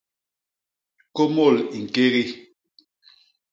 Kômôl i ñkégi.